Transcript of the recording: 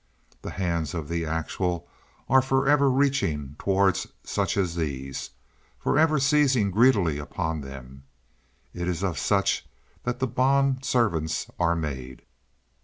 The hands of the actual are forever reaching toward such as these—forever seizing greedily upon them. It is of such that the bond servants are made.